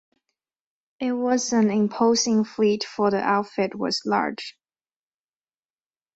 It was an imposing fleet for the outfit was large.